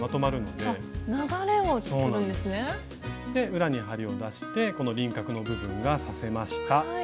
で裏に針を出してこの輪郭の部分が刺せました。